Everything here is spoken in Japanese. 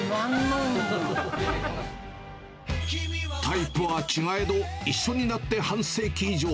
タイプは違えど、一緒になって半世紀以上。